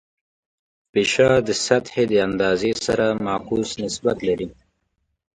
فشار د سطحې د اندازې سره معکوس نسبت لري.